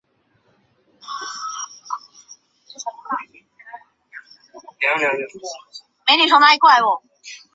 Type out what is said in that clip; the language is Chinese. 詹蒂亚神庙是位于地中海戈佐岛上的新石器时代巨石庙。